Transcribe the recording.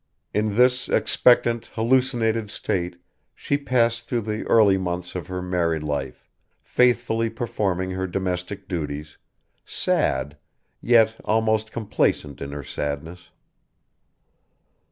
In this expectant hallucinated state she passed through the early months of her married life, faithfully performing her domestic duties, sad, yet almost complacent in her sadness.